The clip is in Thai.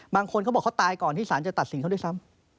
บางคนเขาบอกเขาตายก่อนที่สารจะตัดสินเขาด้วยซ้ำ